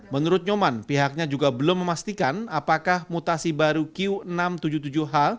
menurut nyoman pihaknya juga belum memastikan apakah mutasi baru q enam ratus tujuh puluh tujuh h